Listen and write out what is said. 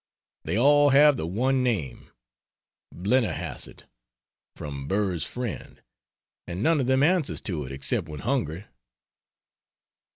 They all have the one name Blennerhasset, from Burr's friend and none of them answers to it except when hungry.